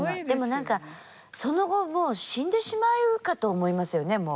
でも何かその後もう死んでしまうかと思いますよね